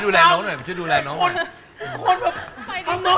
มึงจัดไมค์สักวัน